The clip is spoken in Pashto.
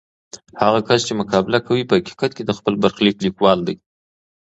هغه کس چې مقابله کوي، په حقیقت کې د خپل برخلیک لیکوال دی.